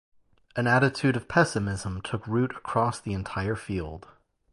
An attitude of pessimism took root across the entire field.